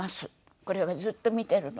これをずっと見てるの。